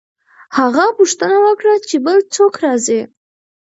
هغه پوښتنه وکړه چې بل څوک راځي؟